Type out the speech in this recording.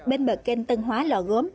bên bờ kênh tân hóa lò gốm